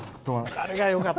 あれがよかった。